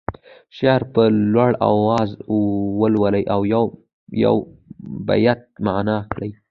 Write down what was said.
شعر په لوړ اواز ولولي او یو یو بیت معنا کړي.